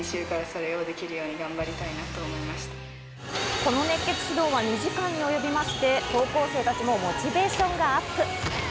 このに及びまして高校生たちもモチベーションがアップ